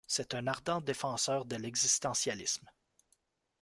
C'est un ardent défenseur de l'existentialisme.